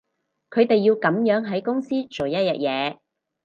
佢哋要噉樣喺公司做一日嘢